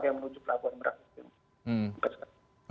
yang menuju pelabuhan merak